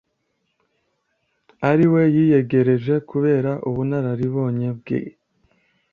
ari we yiyegereje kubera ubunararibonye bwe